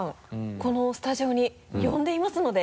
このスタジオに呼んでいますので。